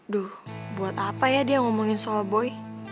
duh buat apa ya dia ngomongin soal boy